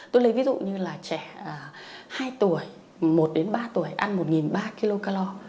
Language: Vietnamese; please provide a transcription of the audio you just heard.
tôi lấy ví dụ như là trẻ hai tuổi một đến ba tuổi ăn một ba trăm linh kcal